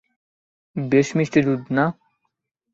বেশ মিষ্টি দুধ, না?